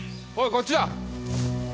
こっちだ！